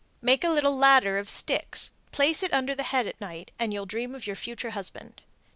Make a little ladder of sticks, place it under the head at night, and you'll dream of your future husband.